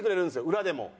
裏でも。